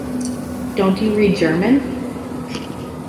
Don't you read German?